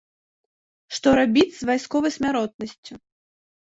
Што рабіць з вайсковай смяротнасцю?